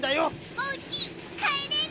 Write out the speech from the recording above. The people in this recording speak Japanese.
おうちかえれる？